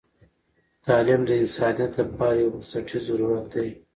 تعلیم د انسانیت لپاره یو بنسټیز ضرورت دی.